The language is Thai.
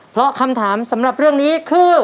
เพราะคำถามสำหรับเรื่องนี้คือ